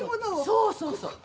そうそうそう。